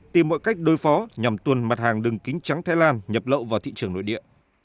tìm mọi cách đối phó nhằm tuần mặt hàng đường kính trắng thái lan nhập lậu vào thị trường nội địa